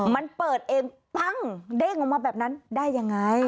มันเปิดเองปั้งเด้งออกมาแบบนั้นได้ยังไง